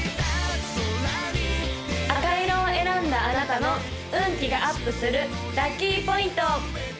赤色を選んだあなたの運気がアップするラッキーポイント！